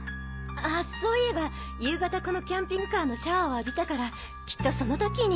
あそういえば夕方このキャンピングカーのシャワーを浴びたからきっとその時に。